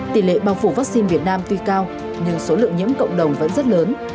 tỷ lệ bao phủ vaccine việt nam tuy cao nhưng số lượng nhiễm cộng đồng vẫn rất lớn